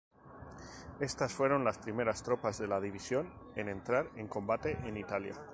Estas fueron las primeras tropas de la División en entrar en combate en Italia.